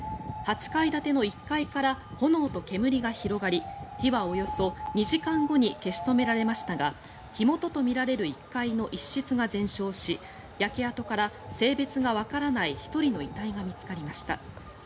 ８階建ての１階から炎と煙が広がり火はおよそ２時間後に消し止められましたが火元とみられる１階の一室が全焼し焼け跡から性別がわからない１人の遺体が見つかりました。